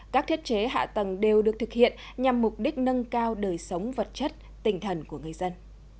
các thiết chế hạ tầng đều được thực hiện nhằm mục đích nâng cao đời sống vật chất tinh thần của người dân